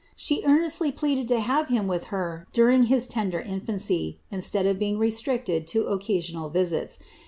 She earnestly pleaded to have him with her during his tender iofiuicy, instead of being restricted to occasional visits.